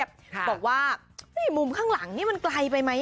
บอกว่ามุมข้างหลังนี่มันไกลไปไหม